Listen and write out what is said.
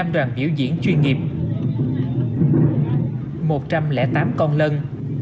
hai mươi năm đoàn biểu diễn chuyên nghiệp một trăm linh tám con lân